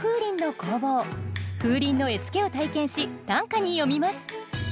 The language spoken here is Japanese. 風鈴の絵付けを体験し短歌に詠みます